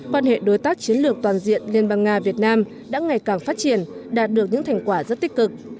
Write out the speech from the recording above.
quan hệ đối tác chiến lược toàn diện liên bang nga việt nam đã ngày càng phát triển đạt được những thành quả rất tích cực